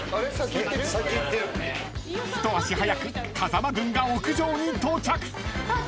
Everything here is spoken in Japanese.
［一足早く風間軍が屋上に到着］